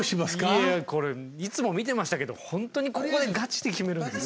いやこれいつも見てましたけど本当にここでガチで決めるんですね。